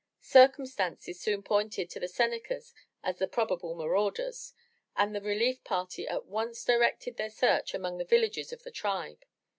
Circumstances soon pointed to the Senecas as the probable marauders, and the relief party at once directed their search among the villages of that tribe.